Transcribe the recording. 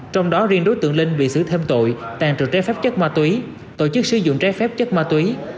trong đó riêng đối tượng linh bị xử thêm tội tàn trự trái phép chất ma túy tổ chức sử dụng trái phép chất ma túy